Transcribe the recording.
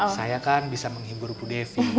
saya kan bisa menghibur bu devi